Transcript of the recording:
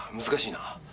難しいな。